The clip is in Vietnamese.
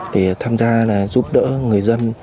để tham gia giúp đỡ người dân